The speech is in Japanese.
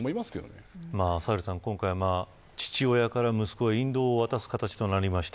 今回、父親から息子へ引導を渡す形になりました。